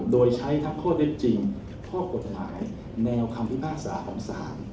โดยใช้ทั้งข้อเท็จจริงข้อกฎหมายแนวคำพิพากษาของศาล